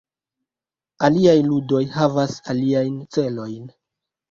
Aliaj ludoj havas aliajn celojn.